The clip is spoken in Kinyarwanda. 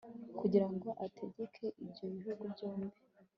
kugira ngo ategeke ibyo bihugu byombi